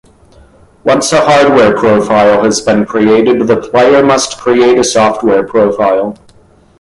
Once a hardware profile has been created the player must create a software profile.